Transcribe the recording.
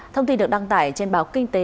thông tin được đăng tải trên báo kinh tế